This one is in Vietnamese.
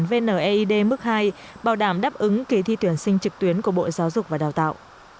công an quận vneid mức hai bảo đảm đáp ứng kỳ thi tuyển sinh trực tuyến của bộ giáo dục và đào tạo